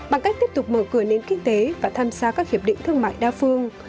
bằng cách tiếp tục mở cửa nền kinh tế và tham gia các hiệp định thương mại đa phương